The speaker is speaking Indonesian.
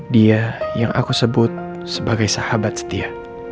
dia yang aku sebut sebagai sahabat setia